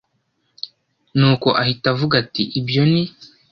nuko ahita avuga ati”ibyo ni